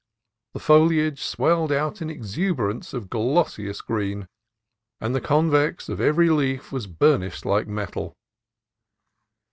The foliage swelled out in exu berance of glossiest green, and the convex of every leaf was burnished like metal.